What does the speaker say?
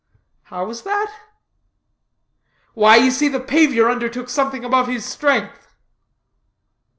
"How was that?" "Why you see the pavior undertook something above his strength."